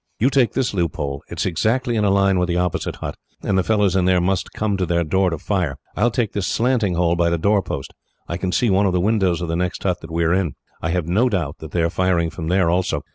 "You take this loophole. It is exactly in a line with the opposite hut, and the fellows in there must come to their door to fire. I will take this slanting hole by the doorpost. I can see one of the windows of the next hut to that we were in. I have no doubt that they are firing from there also.